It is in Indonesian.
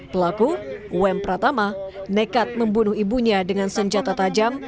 pelaku um pratama nekat membunuh ibunya dengan senjata tajam